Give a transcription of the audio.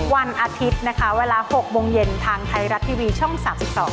วันอาทิตย์นะคะเวลา๖โมงเย็นทางไทยรัฐทีวีช่อง๓๒